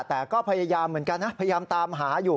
แต่ก็พยายามเหมือนกันนะพยายามตามหาอยู่